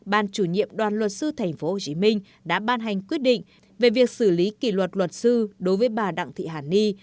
ban chủ nhiệm đoàn luật sư tp hcm đã ban hành quyết định về việc xử lý kỷ luật luật sư đối với bà đặng thị hàn ni